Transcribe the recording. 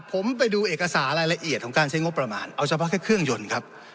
ผมไปดูเอกสารรายละเอียดของการใช้งบประมาณเอาเฉพาะแค่เครื่องยนต์ครับ